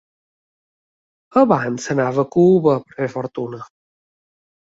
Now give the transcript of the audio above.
Abans s'anava a Cuba per fer fortuna.